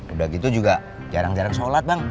udah gitu juga jarang jarang sholat bang